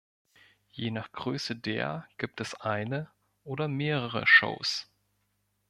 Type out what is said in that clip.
Je nach Größe der gibt es eine oder mehrere Shows.